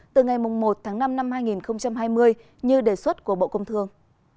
từ ngày một tháng năm năm hai nghìn hai mươi như đề xuất của bộ công thương